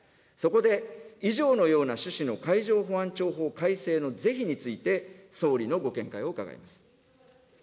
そこで、以上のような趣旨の海上保安庁法改正の是非について、総理のご見解を伺います。